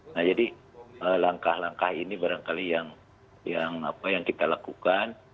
nah jadi langkah langkah ini barangkali yang kita lakukan